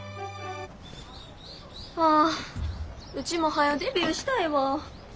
あウチもはよデビューしたいわ。